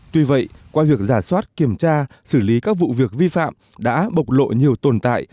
tuy vậy qua việc giả soát kiểm tra xử lý các vụ việc vi phạm đã bộc lộ nhiều tồn tại